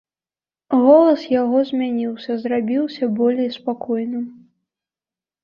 Голас яго змяніўся, зрабіўся болей спакойным.